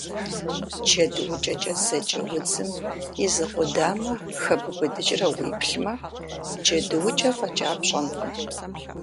Джэдуукӏэкӏэ зэджэ удзым и зы къудамэ хэбубыдыкӏрэ уеплъмэ, джэдуукӏэ фӏэкӏа пщӏэнкъым.